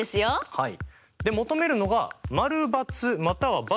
はい。